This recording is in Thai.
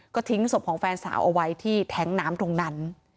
ก็ทิ้งศพของแฟนสาวเอาไว้ที่แท้งน้ำตรงนั้น